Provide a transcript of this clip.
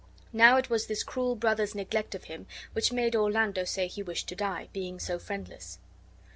Now it was this cruel brother's neglect of him which made Orlando say he wished to die, being so friendless.